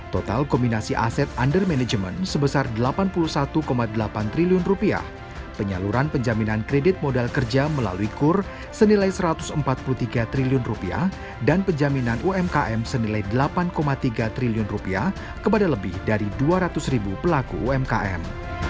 total kombinasi aset undermanagement sebesar rp delapan puluh satu delapan triliun penyaluran penjaminan kredit modal kerja melalui kur senilai rp satu ratus empat puluh tiga triliun dan penjaminan umkm senilai rp delapan tiga triliun kepada lebih dari dua ratus ribu pelaku umkm